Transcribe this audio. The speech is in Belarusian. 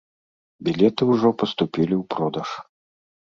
Білеты ўжо паступілі ў продаж.